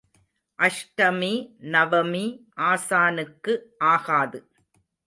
அஷ்டமி நவமி ஆசானுக்கு ஆகாது.